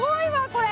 これ。